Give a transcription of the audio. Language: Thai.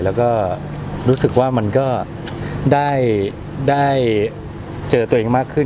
แล้วก็รู้สึกว่ามันก็ได้เจอตัวเองมากขึ้น